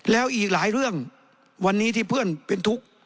แล้วอีกหลายเรื่องวันนี้ที่เพื่อนเป็นทุกข์